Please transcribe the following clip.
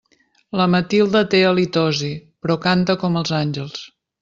La Matilde té halitosi, però canta com els àngels.